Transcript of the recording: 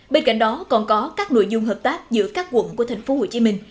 bên cạnh đó còn có các nội dung hợp tác giữa các quận của thành phố hồ chí minh